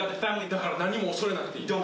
だから何もおそれなくていい。